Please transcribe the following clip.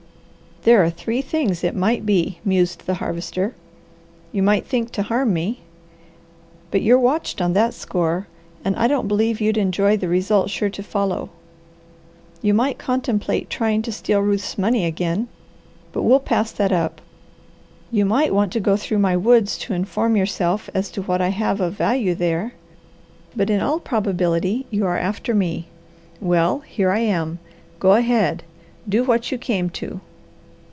"There are three things it might be," mused the Harvester. "You might think to harm me, but you're watched on that score and I don't believe you'd enjoy the result sure to follow. You might contemplate trying to steal Ruth's money again, but we'll pass that up. You might want to go through my woods to inform yourself as to what I have of value there. But, in all prob ability, you are after me. Well, here I am. Go ahead! Do what you came to!"